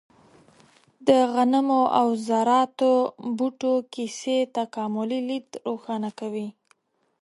د غنمو او ذراتو بوټو کیسې تکاملي لید روښانه کوي.